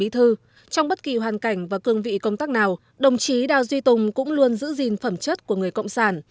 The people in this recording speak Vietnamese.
trong bất kỳ hoàn cảnh và cương vị công tác nào đồng chí đào duy tùng cũng luôn giữ gìn phẩm chất của người cộng sản